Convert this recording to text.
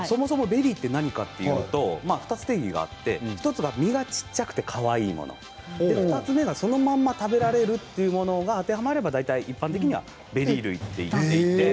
そもそもベリーは２つ定義があって１つが実が小さくてかわいいもの２つ目は、そのまま食べられるというものが当てはまれば大体、一般的にはベリー類と言っています。